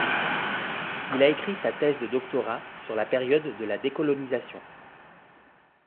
Il a écrit sa thèse de doctorat sur la période de la décolonisation.